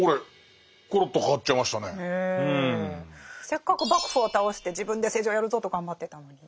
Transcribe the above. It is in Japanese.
せっかく幕府を倒して自分で政治をやるぞと頑張ってたのに。